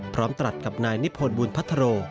พร้อมตรัสกับนายนิพนภ์บุญพัทธโร